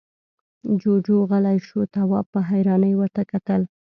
جُوجُو غلی شو، تواب په حيرانۍ ورته کتل…